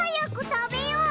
たべよう！